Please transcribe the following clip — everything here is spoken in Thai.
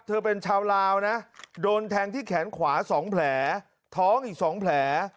เธอเป็นชาวลาวนะโดนแทงที่แขนขวา๒แผลท้องอีก๒แผล